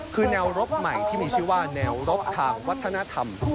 คือแนวรบใหม่ที่มีชื่อว่าแนวรบทางวัฒนธรรม